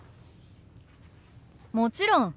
もちろん。